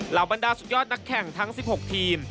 บรรดาสุดยอดนักแข่งทั้ง๑๖ทีม